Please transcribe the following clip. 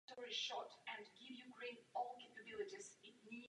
Mezi hřbety patří různé hory a kopce.